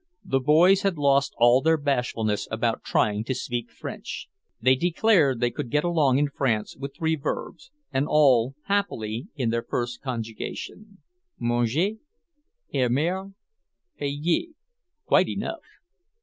The boys had lost all their bashfulness about trying to speak French. They declared they could get along in France with three verbs, and all, happily, in the first conjugation: manger, aimer, payer, quite enough!